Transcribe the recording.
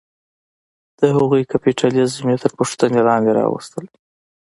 د هغوی کیپیټالیزم یې تر پوښتنې لاندې راوستلې.